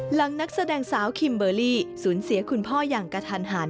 นักแสดงสาวคิมเบอร์รี่สูญเสียคุณพ่ออย่างกระทันหัน